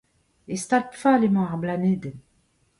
E stad fall emañ ar blanedenn.